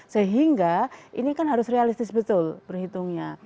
sehingga ini kan harus realistis betul perhitungnya